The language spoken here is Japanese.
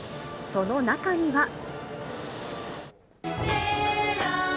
その中には。